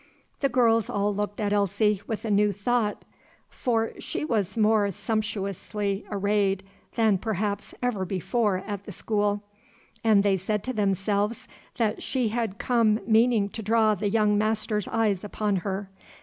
The girls all looked at Elsie with a new thought; for she was more sumptuously arrayed than perhaps ever before at the school; and they said to themselves that she had come meaning to draw the young master's eyes upon her.